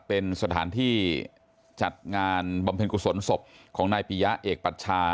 เป็นสถานที่จัดงานบำเพ็ญกุศลศพของนายปียะเอกปัชชา